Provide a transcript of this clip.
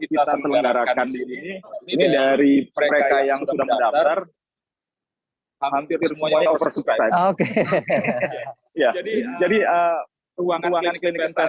itu tidak bisa masuk karena sedang digunakan